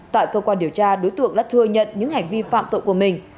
tại cơ quan điều tra đối tượng đã thừa nhận những hành vi phạm tội của mình